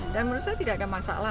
dan menurut saya tidak ada masalah